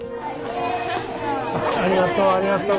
ありがとう。